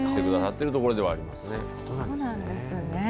してくださっているところではありますね。